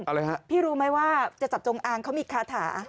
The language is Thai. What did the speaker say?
อะไรฮะพี่รู้ไหมว่าจะจับจงอางเขามีคาถา